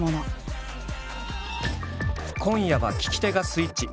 今夜は聞き手がスイッチ。